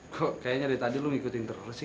kok kayaknya dari tadi lo ngikutin terus sih